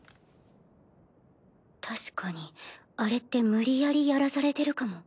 たしかにあれって無理やりやらされてるかも。